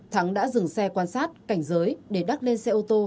thắng đã dừng xe quan sát cảnh giới để đắc lên xe ô tô